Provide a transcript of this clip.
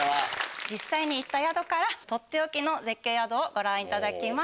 実際に行った宿からとっておきの絶景宿をご覧いただきます。